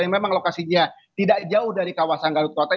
yang memang lokasinya tidak jauh dari kawasan garut kota